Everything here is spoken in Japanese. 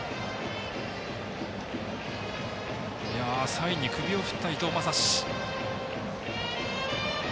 サインに首を振った伊藤将司。